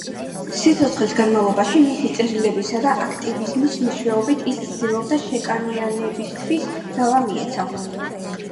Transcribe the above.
სიცოცხლის განმავლობაში, მისი წერილებისა და აქტივიზმის მეშვეობით ის ცდილობდა შავკანიანებისთვის ძალა მიეცა.